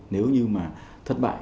nếu như mà thất bại